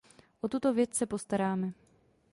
O tuto věc se postaráme.